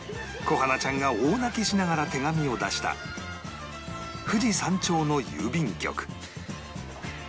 小花ちゃんが大泣きしながら手紙を出した富士山頂の郵便局